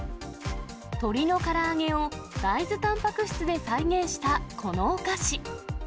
鶏のから揚げを大豆たんぱく質で再現したこのお菓子。